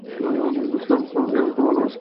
বিবেক, শোন শোন, বিবেক তুমি ভালবাসার মানে বুঝ?